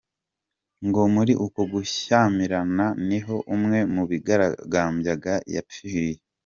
Ngo muri uko gushyamirana niho umwe mu bigaragambyaga yapfiriye.